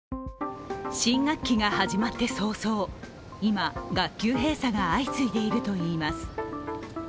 新学期が始まって早々、今、学級閉鎖が相次いでいるといいます。